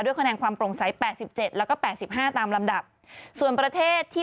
คะแนนความโปร่งใส๘๗แล้วก็๘๕ตามลำดับส่วนประเทศที่